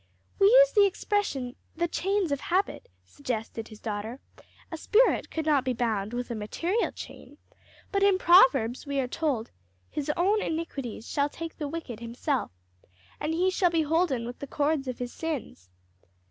"We use the expression, 'the chains of habit,'" suggested his daughter; "a spirit could not be bound with a material chain; but in Proverbs we are told, 'His own iniquities shall take the wicked himself, and he shall be holden with the cords of his sins.'